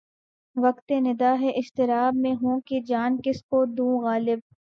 وقت نِدا ہے اضطراب میں ہوں کہ جان کس کو دوں غالب